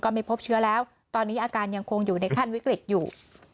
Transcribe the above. ไม่พบเชื้อแล้วตอนนี้อาการยังคงอยู่ในขั้นวิกฤตอยู่